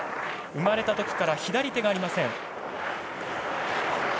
生まれたときから左手がありません。